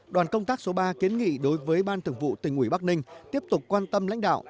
đoàn công tác số ba kiến nghị đối với ban thường vụ tỉnh ủy bắc ninh tiếp tục quan tâm lãnh đạo